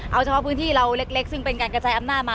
เอาเฉพาะพื้นที่เราเล็กซึ่งเป็นการกระจายอำนาจมา